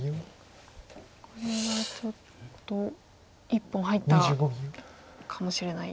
これはちょっと一本入ったかもしれない。